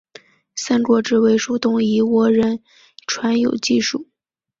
三国志魏书东夷倭人传有记述。